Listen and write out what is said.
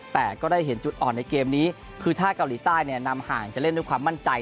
แต่ก็ได้เห็นจุดอ่อนในเกมนี้คือถ้าเกาหลีใต้เนี่ยนำห่างจะเล่นด้วยความมั่นใจ